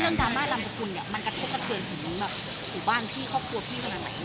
ไอ้เรื่องดราม่าลำบุคุณเนี้ยมันกระทบกระเทินถึงอุบันที่ครอบครัวพี่กำลังไหน